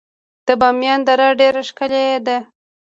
د بامیان دره ډیره ښکلې ده